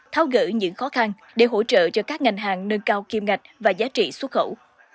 thao gỡ những khó khăn để hỗ trợ cho các ngành hàng nâng cao kim ngạch và giá trị xuất khẩu